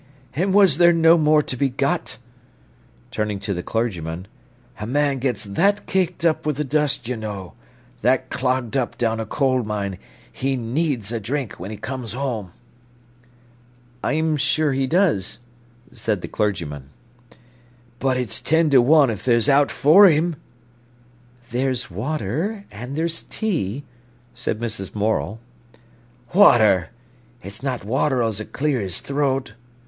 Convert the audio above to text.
"An' was there no more to be got?" Turning to the clergyman—"A man gets that caked up wi' th' dust, you know,—that clogged up down a coal mine, he needs a drink when he comes home." "I am sure he does," said the clergyman. "But it's ten to one if there's owt for him." "There's water—and there's tea," said Mrs. Morel. "Water! It's not water as'll clear his throat."